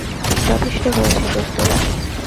যথেষ্ট হয়েছে, দোস্তরা!